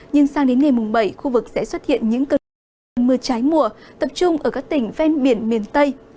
nhưng sang đến ngày bảy khu vực sẽ xuất hiện những cơn mưa trái mùa tập trung ở các tỉnh ven biển miền tây